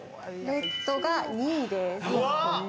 レッドが２位です。